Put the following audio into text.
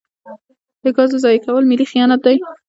د ګازو ضایع کول ملي خیانت دی.